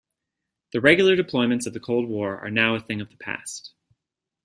The regular deployments of the Cold War are now a thing of the past.